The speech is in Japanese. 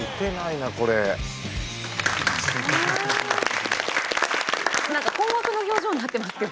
なんか困惑の表情になってますけど。